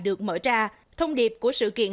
được mở ra thông điệp của sự kiện